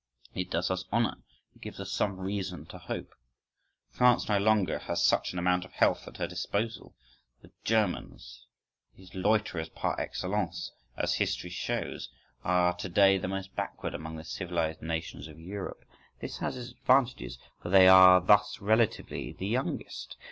It does us honour, it gives us some reason to hope: France no longer has such an amount of health at her disposal. The Germans, these loiterers par excellence, as history shows, are to day the most backward among the civilised nations of Europe; this has its advantages,—for they are thus relatively the youngest.